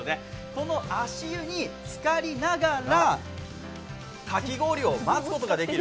この足湯につかりながらかき氷を待つことができる。